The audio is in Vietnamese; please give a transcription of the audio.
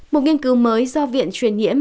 một nghiên cứu mới do viện truyền nhiễm